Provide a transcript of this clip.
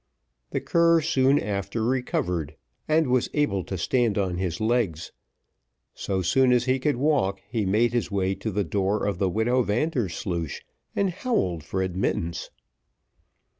The cur soon after recovered, and was able to stand on his legs; so soon as he could walk he made his way to the door of the widow Vandersloosh, and howled for admittance.